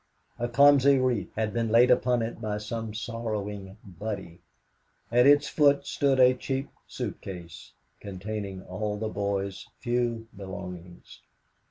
A clumsy wreath had been laid upon it by some sorrowing "buddy," at its foot stood a cheap suitcase, containing all the boy's few belongings.